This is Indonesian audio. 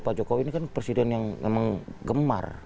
pak jokowi ini kan presiden yang memang gemar